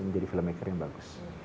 jadi filmmaker yang bagus